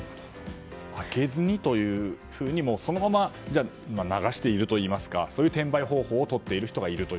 開けずにというふうにとそのまま流しているといいますかそういう転売方法をとっている人がいると。